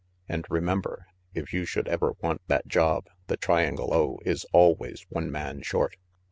" And remember, if you 'should ever want that job, the Triangle O is always one man short."